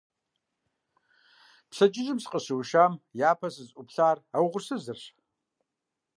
Пщэдджыжьым сыкъыщыушам япэ сызыӀуплъар а угъурсызырщ.